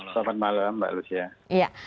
selamat malam mbak lucia